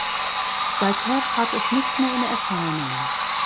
Seither trat es nicht mehr in Erscheinung.